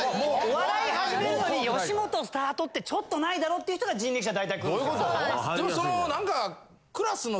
お笑い始めるのに吉本スタートってちょっとないだろっていう人が人力舎大体来るんですよ。